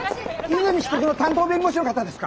泉被告の担当弁護士の方ですか？